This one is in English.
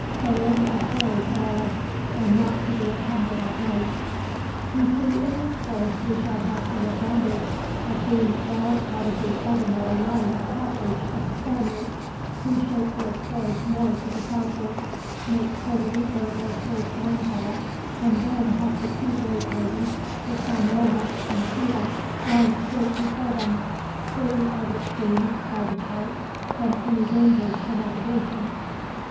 Sailing is very perilous, and not to be attempted at night.' "You see, in this course we shall have the advantage of being well out of the ordinary line of passage of the Spaniards, who shape their course more to the southward, make Porto Rico their first landfall, and then have the two great islands, Hispaniola and Cuba, lying straight before them; free, as it seems, by the chart, from any dangers to navigation.